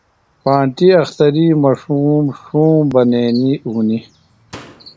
پانٹیۡ اختری مہ ݜُوم، ݜُوم ، بنینی اُونی